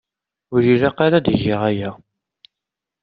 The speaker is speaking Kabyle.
Ur ilaq ara ad geɣ aya.